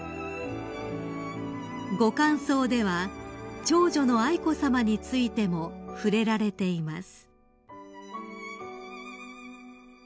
［ご感想では長女の愛子さまについても触れられています］